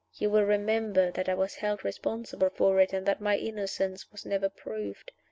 You will remember that I was held responsible for it, and that my innocence was never proved.